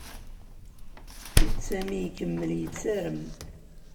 Sami ikemmel yettarem.